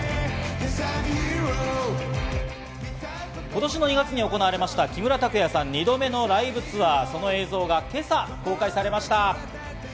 今年２月に行われた木村拓哉さん２度目のライブツアー、その映像が今朝公開されました。